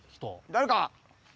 誰か？